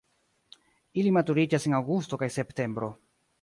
Ili maturiĝas en aŭgusto kaj septembro.